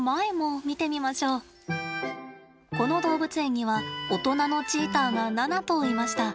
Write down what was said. この動物園にはおとなのチーターが７頭いました。